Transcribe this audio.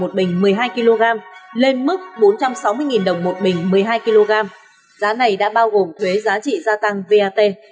một bình một mươi hai kg lên mức bốn trăm sáu mươi đồng một bình một mươi hai kg giá này đã bao gồm thuế giá trị gia tăng vat